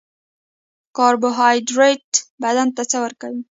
کاربوهایدریت بدن ته څه ورکوي